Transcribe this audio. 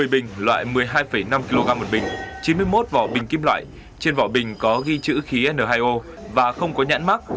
một mươi bình loại một mươi hai năm kg một bình chín mươi một vỏ bình kim loại trên vỏ bình có ghi chữ khí n hai o và không có nhãn mắc